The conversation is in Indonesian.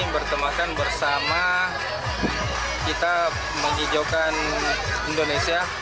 bertemakan bersama kita menghijaukan indonesia